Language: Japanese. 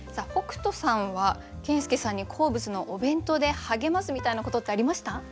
北斗さんは健介さんに好物のお弁当で励ますみたいなことってありました？